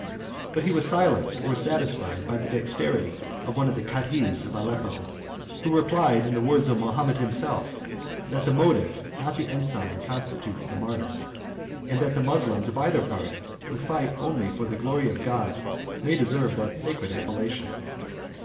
But he was silenced, or satisfied, by the dexterity of one of the cadhis of Aleppo, who replied in the words of Mahomet himself, that the motive, not the ensign, constitutes the martyr; and that the Moslems of either party, who fight only for the glory of God, may deserve that sacred appellation.